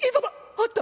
あった。